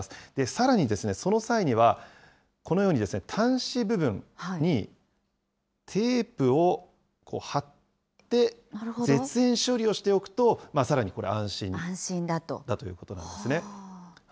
さらにですね、その際には、このように端子部分にテープを貼って絶縁処理をしておくと、さらにこれ安心だということなんですね。